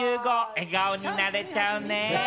笑顔になれちゃうね。